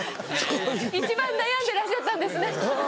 一番悩んでらっしゃったんですね。